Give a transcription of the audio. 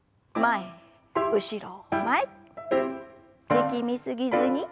力み過ぎずに。